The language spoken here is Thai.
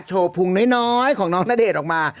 พุงน้อยของน้องณเดชน์ออกมา